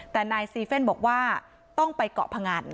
แต่นายซีเฟ่นบอกว่าต้องไปเกาะพงัน